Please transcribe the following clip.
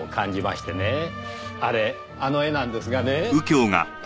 あれあの絵なんですがね。